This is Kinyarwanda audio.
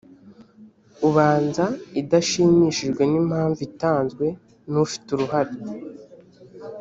ubanza idashimishijwe n impamvu itanzwe n ufite uruhare